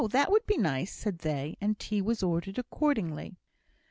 that would be nice," said they; and tea was ordered accordingly.